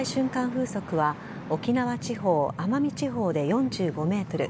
風速は沖縄地方奄美地方で４５メートル